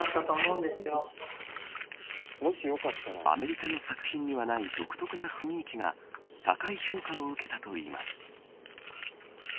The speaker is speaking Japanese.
アメリカの作品にはない独特な雰囲気が高い評価を受けたといいます。